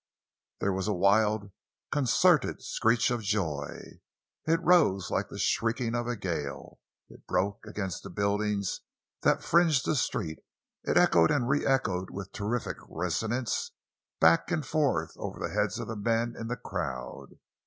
There was a wild, concerted screech of joy. It rose like the shrieking of a gale; it broke against the buildings that fringed the street; it echoed and reechoed with terrific resonance back and forth over the heads of the men in the crowd.